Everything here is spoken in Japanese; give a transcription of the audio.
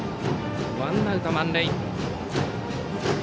ワンアウト満塁。